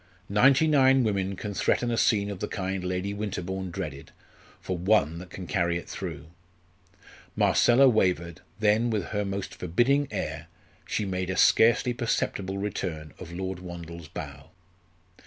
Ninety nine women can threaten a scene of the kind Lady Winterbourne dreaded, for one that can carry it through. Marcella wavered; then, with her most forbidding air, she made a scarcely perceptible return of Lord Wandle's bow.